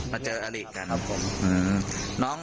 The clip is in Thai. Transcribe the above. เจออลิกันครับผม